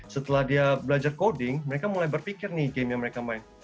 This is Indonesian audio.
setelah dia belajar coding mereka mulai berpikir nih game yang mereka main